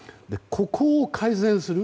ここを改善する。